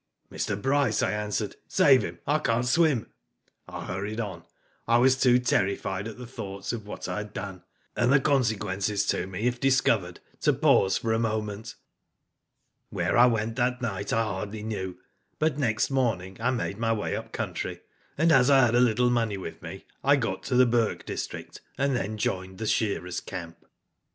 Mr. Bryce, I answered. ''Save him. I can't swim. " I hurried on. I was too terrified at the thoughts of what I had done, and the consequences to me if discovered to pause for a moment. "Where I went that night I hardly knew, but next morning I made my way up country, and as I had a little money with me I got to the Burke district, and then joined the shearers' camp.